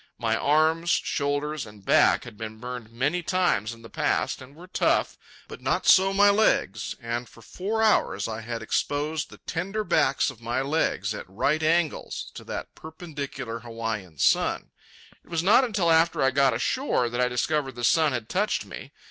My arms, shoulders, and back had been burned many times in the past and were tough; but not so my legs. And for four hours I had exposed the tender backs of my legs, at right angles, to that perpendicular Hawaiian sun. It was not until after I got ashore that I discovered the sun had touched me.